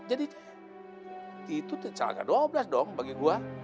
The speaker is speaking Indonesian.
jadi itu celaka dua belas dong bagi gua